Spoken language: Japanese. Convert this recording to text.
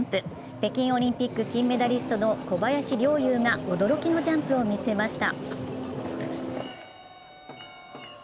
北京オリンピック金メダリストの小林陵侑が驚きのジャンプを見せました。